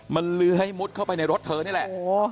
มันลื้อให้มุดเข้าไปในรถเธอนี่แหละ